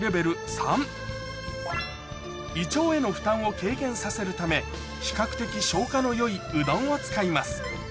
３胃腸への負担を軽減させるため比較的消化の良いうどんを使います